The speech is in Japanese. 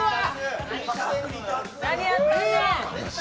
何やってんねん。